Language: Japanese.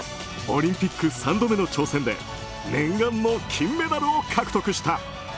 オリンピック３度目の挑戦で念願の金メダルを獲得した。